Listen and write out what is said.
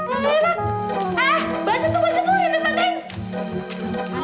eh lihat eh baca tuh baca tuh